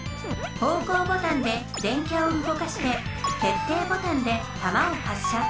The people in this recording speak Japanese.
方向ボタンで電キャをうごかして決定ボタンでたまを発射。